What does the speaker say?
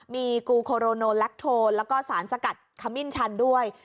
มีกูโคโรโนแลคโทนแล้วก็สารสกัดขมิ้นชันด้วย